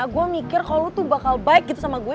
gue mikir kalau lu tuh bakal baik gitu sama gue